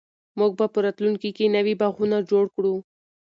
موږ به په راتلونکي کې نوي باغونه جوړ کړو.